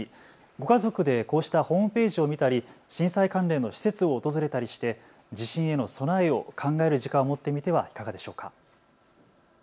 ご家族でこうしたホームページを見たり震災関連の施設を訪れたりして地震への備えを考える時間を持ってみてはいかがでしょうか。